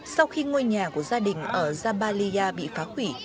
sau khi ngôi nhà của gia đình ở jabalia bị phá hủy